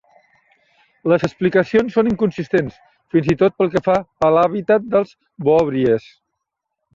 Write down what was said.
Les explicacions són inconsistents fins i tot pel que fa a l'habitat dels Boobries.